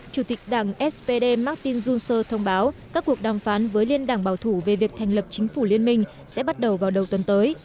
chủ tịch đảng spd martin zunse thông báo các cuộc đàm phán với liên đảng bảo thủ về việc thành lập chính phủ liên minh sẽ bắt đầu vào đầu tuần tới